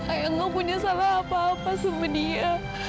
ayah gak punya salah apa apa sama dia